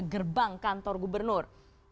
gerbang kantor gubernur